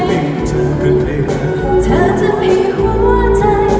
เธอทำให้หัวใจเข้าใจความหมาย